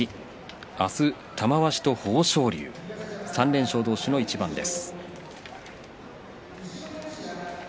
明日は玉鷲と豊昇龍３連勝同士の一番です。